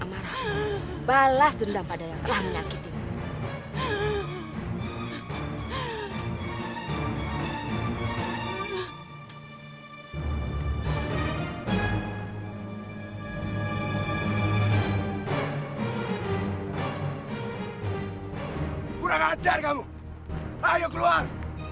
terima kasih dan lagi maaf penyayang